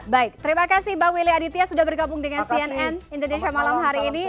baik terima kasih bang willy aditya sudah bergabung dengan cnn indonesia malam hari ini